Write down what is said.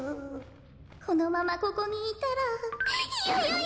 このままここにいたらヨヨヨ。